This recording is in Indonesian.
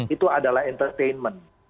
itu adalah entertainment